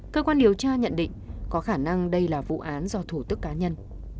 cơ quan điều tra nhận định có khả năng đây là vụ án do thủ tức cá nhân